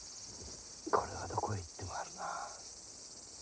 これはどこへ行ってもあるな。